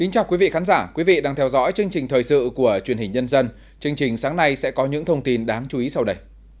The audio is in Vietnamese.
chào mừng quý vị đến với bộ phim hãy nhớ like share và đăng ký kênh của chúng mình nhé